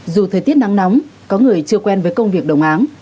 dù thời tiết nắng nóng có người chưa quen với công việc đồng áng